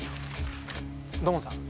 土門さん。